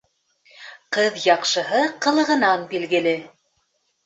Ҡыҙ яҡшыһы ҡылығынан билгеле.